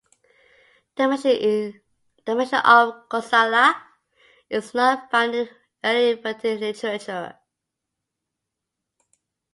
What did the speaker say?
The mention of Kosala is not found in the early Vedic literature.